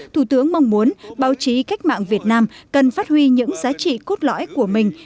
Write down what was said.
thủ tướng mong muốn báo chí cách mạng việt nam cần phát huy những giá trị cốt lõi của mình